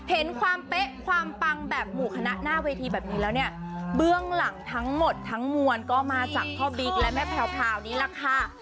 เห็นความเป๊ะความปังแบบหมู่คณะหน้าเวทีแบบนี้แล้วเนี่ยเบื้องหลังทั้งหมดทั้งมวลก็มาจากพ่อบิ๊กและแม่แพรวนี่แหละค่ะ